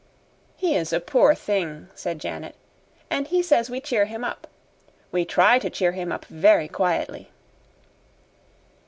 "He is a poor thing," said Janet, "and he says we cheer him up. We try to cheer him up very quietly."